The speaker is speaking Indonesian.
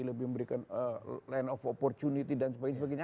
lebih memberikan land of opportunity dan sebagainya